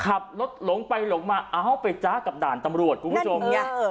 ขับรถลงไปลงมาเอ้าไปจ๊ะกับด่านตำรวจกูผู้ชมนั่นเนี่ย